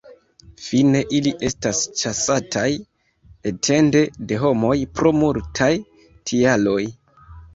Fine ili estas ĉasataj etende de homoj pro multaj tialoj.